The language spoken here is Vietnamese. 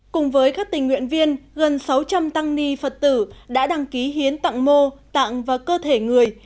cùng với các tình nguyện viên gần sáu trăm linh tăng ni phật tử đã đăng ký hiến tặng mô tặng và cơ thể người